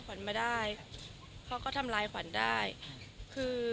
ขวัญไม่ได้ค่ะเขาก็ทำลายขวัญได้คือ